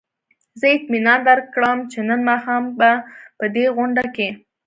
زه اطمینان درکړم چې نن ماښام به په دې غونډه کې.